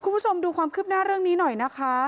คุณผู้ชมดูความคืบหน้าเรื่องนี้หน่อยนะคะ